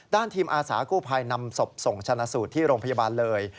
ทีมอาสากู้ภัยนำศพส่งชนะสูตรที่โรงพยาบาลเลย